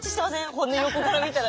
骨横から見たら。